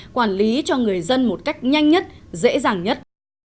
quản lý cho người dân một cách nhanh nhất dễ dàng nhất